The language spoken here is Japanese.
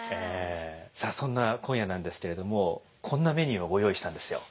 さあそんな今夜なんですけれどもこんなメニューをご用意したんですよ。